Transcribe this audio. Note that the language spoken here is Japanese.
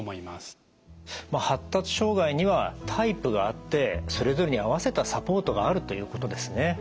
まあ発達障害にはタイプがあってそれぞれに合わせたサポートがあるということですね。